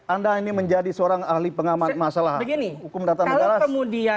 anda ini menjadi seorang ahli pengamat masalah hukum data negara